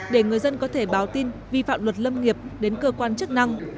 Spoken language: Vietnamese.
để người dân có thể báo tin vi phạm luật lâm nghiệp đến cơ quan chức năng